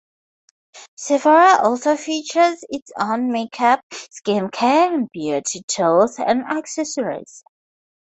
Sephora also features its own make-up, skincare, and beauty tools and accessories.